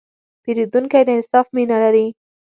پیرودونکی د انصاف مینه لري.